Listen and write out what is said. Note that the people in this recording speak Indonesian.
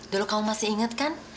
dulu kamu masih ingat kan